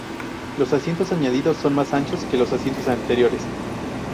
Los asientos añadidos son más anchos que los asientos anteriores.